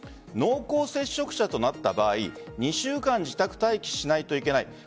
濃厚接触者となった場合２週間自宅待機しないといけない。